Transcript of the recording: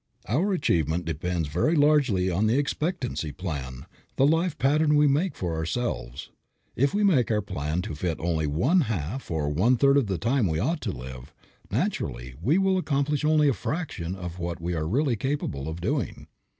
Our achievement depends very largely upon the expectancy plan, the life pattern we make for ourselves. If we make our plan to fit only one half or one third of the time we ought to live, naturally we will accomplish only a fraction of what we are really capable of doing.